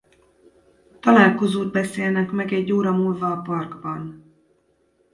Találkozót beszélnek meg egy óra múlva a parkban.